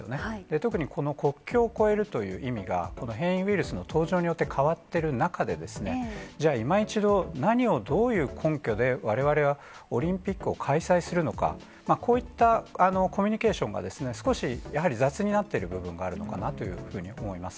特にこの国境を越えるという意味が、この変異ウイルスの登場によって変わってる中で、じゃあ、今一度何をどういう根拠で、われわれはオリンピックを開催するのか、こういったコミュニケーションが少しやはり雑になってる部分があるのかなというふうに思います。